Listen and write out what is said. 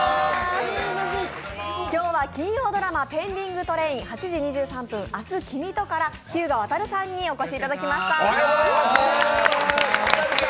今日は金曜ドラマ「ペンディングトレイン−８時２３分、明日君と」から日向亘さんにお越しいただきました。